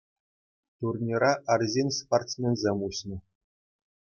Турнира арҫын-спортсменсем уҫнӑ.